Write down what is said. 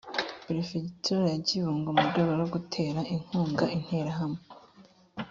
perefegitura ya kibungo, mu rwego rwo gutera inkunga interahamwe